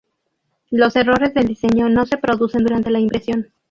Los errores del diseño no se producen durante la impresión.